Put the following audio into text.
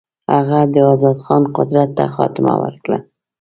هغه د آزاد خان قدرت ته خاتمه ورکړه.